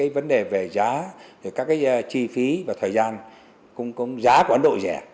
vấn đề về giá các chi phí và thời gian công giá của ấn độ rẻ